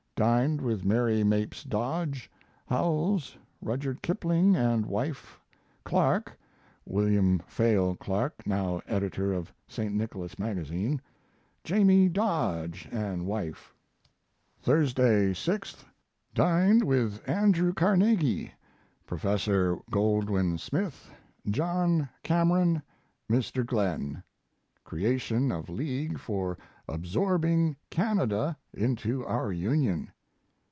Dined with Mary Mapes Dodge, Howells, Rudyard Kipling & wife, Clarke, [ William Fayal Clarke, now editor of St. Nicholas Magazine.] Jamie Dodge & wife. Thursday, 6th. Dined with Andrew Carnegie, Prof. Goldwin Smith, John Cameron, Mr. Glenn. Creation of league for absorbing Canada into our Union.